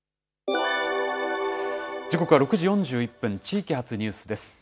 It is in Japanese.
時刻は６時４１分、地域発ニュースです。